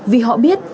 vì họ biết